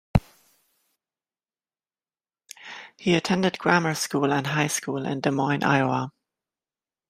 He attended grammar school and high school in Des Moines, Iowa.